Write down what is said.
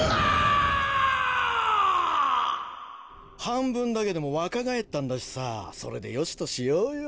はんぶんだけでもわかがえったんだしさそれでよしとしようよ。